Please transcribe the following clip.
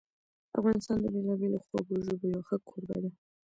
افغانستان د بېلابېلو خوږو ژبو یو ښه کوربه ده.